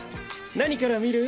何から見る？